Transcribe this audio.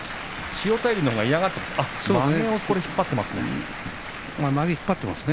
千代大龍のほうが嫌がっています。